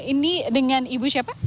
ini dengan ibu siapa